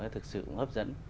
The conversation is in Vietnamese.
thực sự cũng hấp dẫn